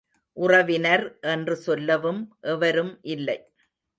உறவினர் என்று சொல்லவும் எவரும் இல்லை.